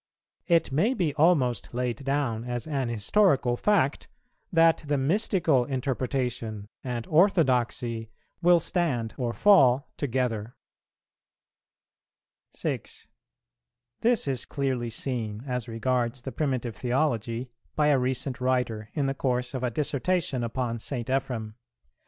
It may be almost laid down as an historical fact, that the mystical interpretation and orthodoxy will stand or fall together. 6. This is clearly seen, as regards the primitive theology, by a recent writer, in the course of a Dissertation upon St. Ephrem.